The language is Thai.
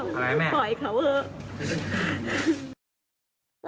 อะไรแม่แม่กล่วยเขาเยอะ